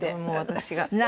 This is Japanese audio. もう私が。